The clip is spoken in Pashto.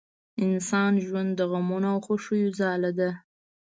انسان ژوند د غمونو او خوښیو ځاله ده